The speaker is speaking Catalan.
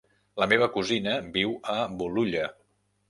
La meva cosina viu a Bolulla.